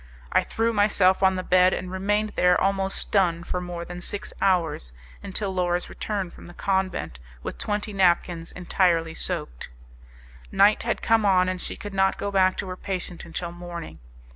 I threw myself on the bed, and remained there, almost stunned, for more than six hours, until Laura's return from the convent with twenty napkins entirely soaked. Night had come on, and she could not go back to her patient until morning.